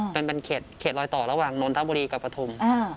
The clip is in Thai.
เป็นเขตรอยต่อระหว่างนนทบุรีกับปฐุม